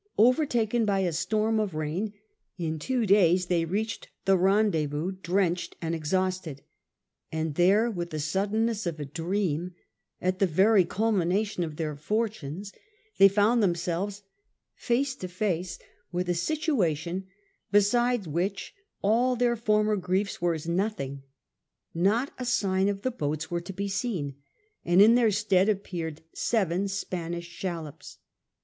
Over taken by a storm of rain, in two days they reached the rendezvous drenched and exhausted, — and there, with the suddenness of a dream, at the very culmination of their fortunes, they found themselves face to face with a situa tion beside which all their former griefs were as nothing. Not a sign of the boats was to be seen, and in their stead appeared seven Spanish shallops.